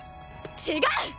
違う！